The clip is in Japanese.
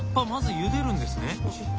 まずゆでるんですね。